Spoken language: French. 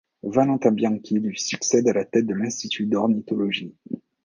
Valentin Bianchi lui succède à la tête de l'institut d'ornithologie.